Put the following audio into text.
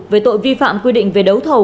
về tội vi phạm quy định về đấu thầu